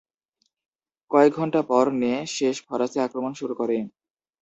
কয়েক ঘন্টা পর, নে শেষ ফরাসি আক্রমণ শুরু করে।